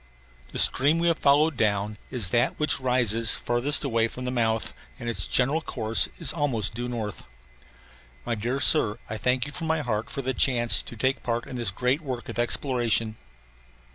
The stream we have followed down is that which rises farthest away from the mouth and its general course is almost due north. My dear Sir, I thank you from my heart for the chance to take part in this great work of exploration.